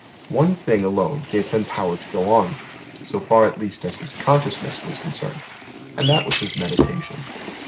One thing alone gave Him power to go on, so far at least as His consciousness was concerned, and that was His meditation.